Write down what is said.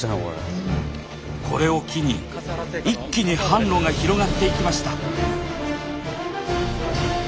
これを機に一気に販路が広がっていきました。